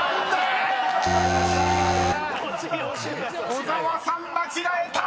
［小沢さん間違えた！］